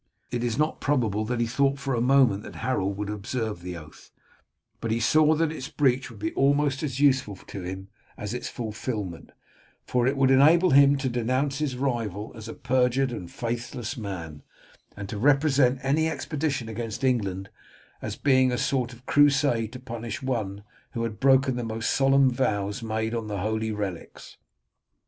It is not probable that he thought for a moment that Harold would observe the oath, but he saw that its breach would be almost as useful to him as its fulfilment, for it would enable him to denounce his rival as a perjured and faithless man, and to represent any expedition against England as being a sort of crusade to punish one who had broken the most solemn vows made on the holy relics.